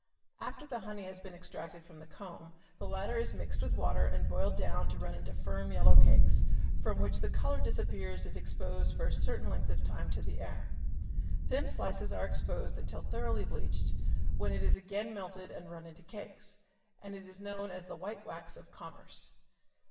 After the honey has been extracted from the comb the latter is mixed with water and boiled down and run into firm yellow cakes, from which the color disappears if exposed for a certain length of time to the air. Thin slices are exposed until thoroughly bleached, when it is again melted and run into cakes, and is then known as the white wax of commerce.